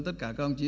tất cả các đồng chí